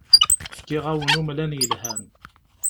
Fkiɣ-awen umlan yelhan.